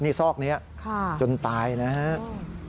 นี่ซอกนี้จนตายนะครับ